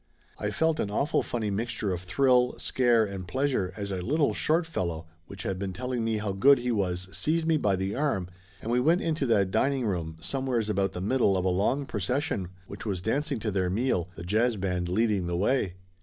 I felt an awful funny mixture of thrill, scare and pleas ure as a little short fellow which had been telling me how good he was seized me by the arm and we went in to that dining room, somewheres about the middle of a long procession which was dancing to their meal, the jazz band leading the way.